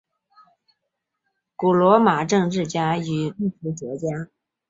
古罗马政治家与历史学家。